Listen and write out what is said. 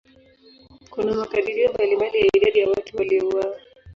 Kuna makadirio mbalimbali ya idadi ya watu waliouawa.